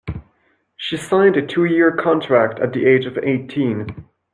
She signed a two-year contract at the age of eighteen.